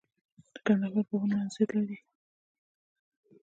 د کندهار باغونه انځر لري.